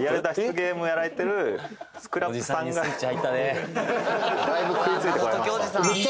リアル脱出ゲームをやられてるＳＣＲＡＰさんがだいぶ食いついてこられました